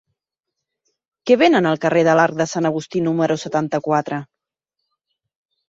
Què venen al carrer de l'Arc de Sant Agustí número setanta-quatre?